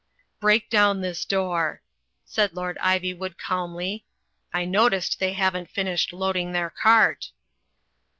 "Break down this door," said Lord Ivjrwood, calmly, "I noticed they haven't finished loading their cart."